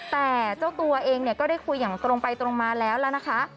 แต่เจ้าตัวเองเนี่ยก็ได้คุยอย่างตรงไปตรงมาแล้วแล้วนะคะ